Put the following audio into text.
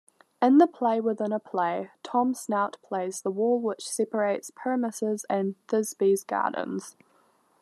In the play-within-a-play, Tom Snout plays the wall which separates Pyramus' and Thisbe's gardens.